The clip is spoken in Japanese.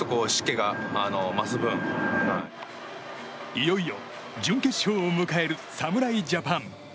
いよいよ準決勝を迎える侍ジャパン。